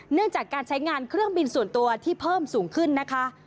เนื่องจากการใช้งานเครื่องบินส่วนตัวที่เพิ่มสูงขึ้นนะคะ